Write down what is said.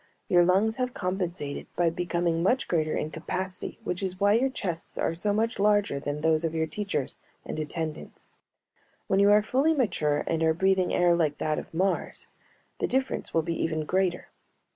Your lungs have compensated by becoming much greater in capacity, which is why your chests are so much larger than those of your teachers and attendants; when you are fully mature and are breathing air like that of Mars, the difference will be even greater.